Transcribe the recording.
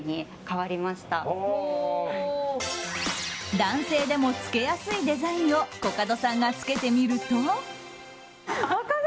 男性でも着けやすいデザインをコカドさんが着けてみると。